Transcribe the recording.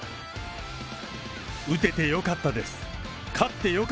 打ててよかったです。